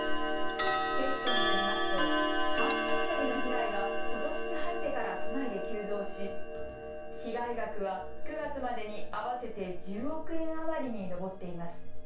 警視庁によりますと還付金詐欺の被害はことしに入ってから都内で急増し、被害額は９月までに合わせて１０億円余りに上っています。